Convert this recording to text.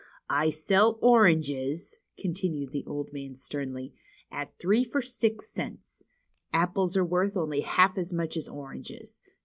I sell oranges," continued the old gentleman sternly, at three for six cents. Apples are worth only half as much as oranges.